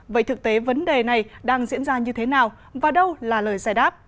vậy thực tế vấn đề này đang diễn ra như thế nào và đâu là lời giải đáp